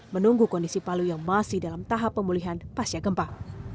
menunggu kondisi palu yang masih dalam tahap pemulihan pasca gempa